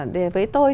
để với tôi